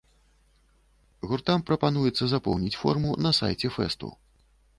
Гуртам прапануецца запоўніць форму на сайце фэсту.